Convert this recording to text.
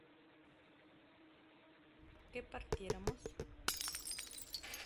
¿que partiéramos?